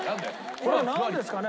これなんですかね？